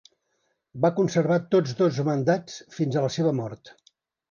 Va conservar tots dos mandats fins a la seva mort.